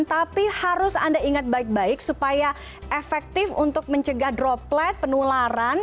tapi harus anda ingat baik baik supaya efektif untuk mencegah droplet penularan